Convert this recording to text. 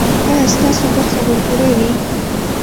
ایا ستاسو برخه به پوره وي؟